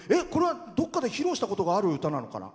どこかで披露したことがある歌なのかな？